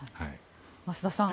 増田さん